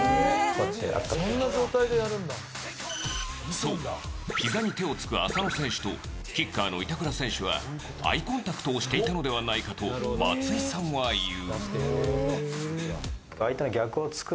そう、ひざに手をつく浅野選手とキッカーの板倉選手はアイコンタクトをしていたのではないかと松井さんは言う。